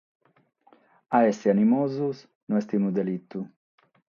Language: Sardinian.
A èssere animosos no est unu delitu.